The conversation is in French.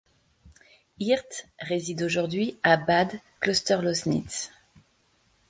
Hirte réside aujourd'hui à Bad Klosterlausnitz.